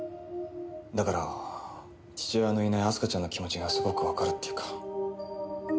だから父親のいない明日香ちゃんの気持ちがすごくわかるっていうか。